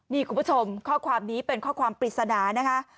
นี่คุณผู้ชมข้อความนี้เป็นข้อความปริศนานะคะ